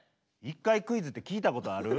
１回クイズって聞いたことある？